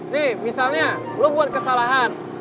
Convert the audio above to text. nih misalnya lo buat kesalahan